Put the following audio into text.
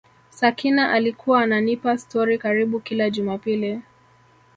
Sakina alikuwa ananipa stori karibu kila Jumapili